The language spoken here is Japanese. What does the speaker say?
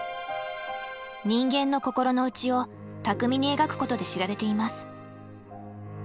人間の心の内を巧みに描くことで知られています。